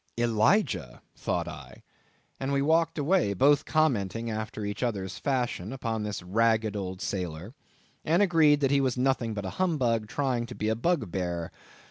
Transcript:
Elijah! thought I, and we walked away, both commenting, after each other's fashion, upon this ragged old sailor; and agreed that he was nothing but a humbug, trying to be a bugbear.